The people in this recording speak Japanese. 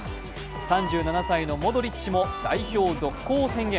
３７歳のモドリッチも代表続行宣言。